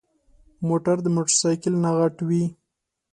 موټر د موټرسايکل نه غټ وي.